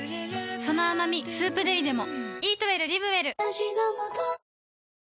その甘み「スープデリ」でも